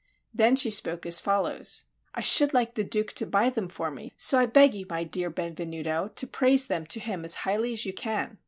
Then she spoke as follows: "I should like the Duke to buy them for me; so I beg you, my dear Benvenuto, to praise them to him as highly as you can."